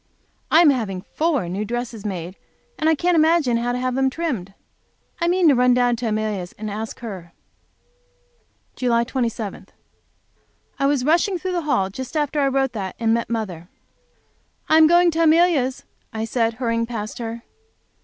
I am having four new dresses made, and I can't imagine how to have them trimmed. I mean to run down to Amelia's and ask her. July 27. I was rushing through the hall just after I wrote that, and met mother. "I am going to Amelia's," I said, hurrying past her.